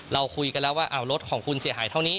เราคุยกันแล้วว่ารถของคุณเสียหายเท่านี้